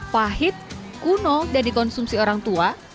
pahit kuno dan dikonsumsi orang tua